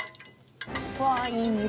うわいい色。